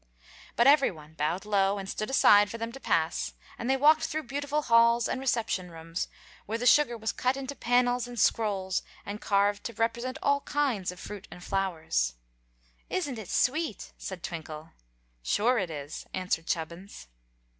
But every one bowed low, and stood aside for them to pass, and they walked through beautiful halls and reception rooms where the sugar was cut into panels and scrolls and carved to represent all kinds of fruit and flowers. "Isn't it sweet!" said Twinkle. "Sure it is," answered Chubbins.